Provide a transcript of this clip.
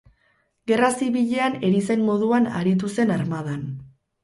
Gerra Zibilean erizain moduan aritu zen armadan.